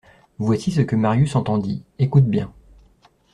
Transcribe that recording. Voici ce que Marius entendit : Écoute bien.